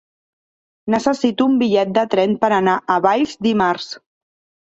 Necessito un bitllet de tren per anar a Valls dimarts.